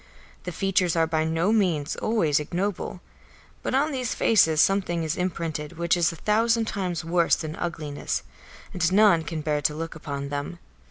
The features are by no means always ignoble, but on these faces something is imprinted which is a thousand times worse than ugliness, and none can bear to look upon them.